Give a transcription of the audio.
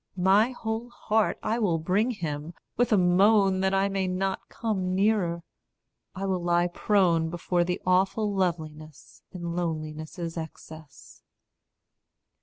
My whole heart I will bring him, with a moan That I may not come nearer; I will lie prone Before the awful loveliness in loneliness' excess."